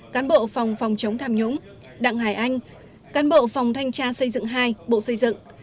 cán bộ phòng phòng chống tham nhũng đặng hải anh cán bộ phòng thanh tra xây dựng hai bộ xây dựng